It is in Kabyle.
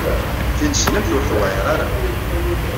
Tineslemt ur tewɛiṛ ara.